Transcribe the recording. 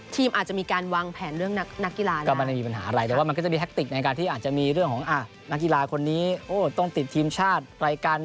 ถึงจะไม่ถูก